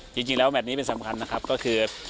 จริงแล้วแมทนี้เป็นสำคัญนะครับก็คือ